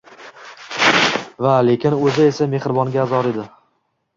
Va lekin o‘zi esa mehribonga zor edi.